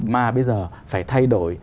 mà bây giờ phải thay đổi